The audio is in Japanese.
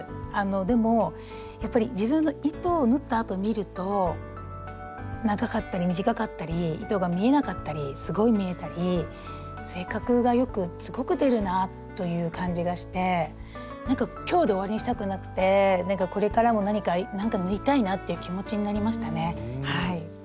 でもやっぱり自分の糸を縫ったあと見ると長かったり短かったり糸が見えなかったりすごい見えたり性格がよくすごく出るなあという感じがしてなんか今日で終わりにしたくなくてこれからも何かなんか縫いたいなあっていう気持ちになりましたねはい。